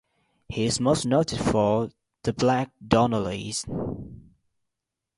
He is most noted for "The Black Donnellys".